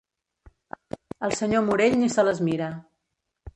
El senyor Morell ni se les mira.